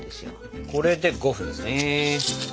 これで５分ですね。